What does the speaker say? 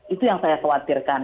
itu yang saya khawatirkan